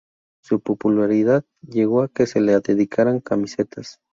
Su popularidad llegó a que se le dedicaran camisetas.